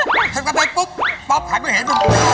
หักกไม่เห็น